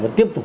vẫn tiếp tục